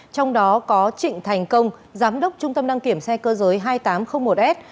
trong đó có trịnh thành công giám đốc trung tâm đăng kiểm xe cơ giới hai nghìn tám trăm linh một s